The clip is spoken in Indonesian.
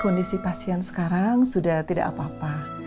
kondisi pasien sekarang sudah tidak apa apa